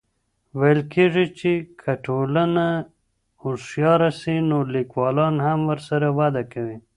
ويل کېږي چي که ټولنه هوښياره سي نو ليکوالان هم ورسره وده کوي.